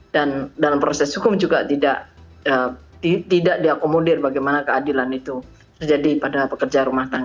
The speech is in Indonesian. dan dalam proses hukum juga tidak diakomodir bagaimana keadilan itu terjadi pada pekerjaan